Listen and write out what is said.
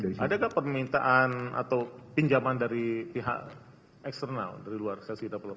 adakah permintaan atau pinjaman dari pihak eksternal dari luar